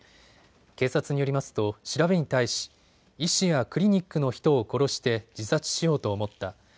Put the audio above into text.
警察によりますと調べに対し医師やクリニックの人を殺して自殺しようと思った。